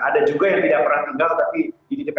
ada juga yang tidak pernah tinggal tapi ini diperhatikan